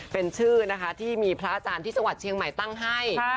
เป็นชื่อนะคะที่มีพระอาจารย์ที่จังหวัดเชียงใหม่ตั้งให้